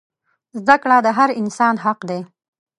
زده کړه د هر انسان حق دی.